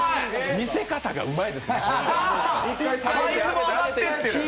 見せ方がうまいですから。